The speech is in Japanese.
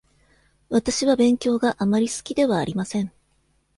わたしは勉強があまり好きではありません。